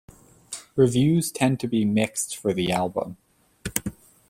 Reviews tend to be mixed for the album.